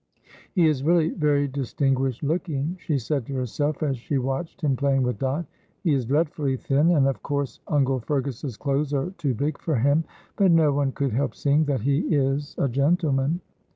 "He is really very distinguished looking," she said to herself, as she watched him playing with Dot; "he is dreadfully thin, and, of course, Uncle Fergus's clothes are too big for him, but no one could help seeing that he is a gentleman."